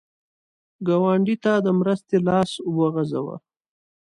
ګاونډي ته د مرستې لاس وغځوه